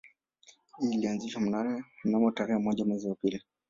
Hii ilianzishwa mnamo tarehe moja mwezi wa pili